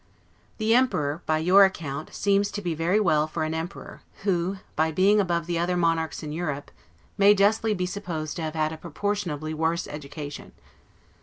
The Emperor, by your account, seems to be very well for an emperor; who, by being above the other monarchs in Europe, may justly be supposed to have had a proportionably worse education.